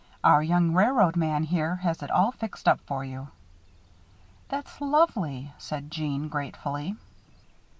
Our young railroad man, here, has it all fixed up for you." "That's lovely," said Jeanne, gratefully.